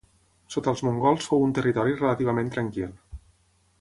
Sota els mongols fou un territori relativament tranquil.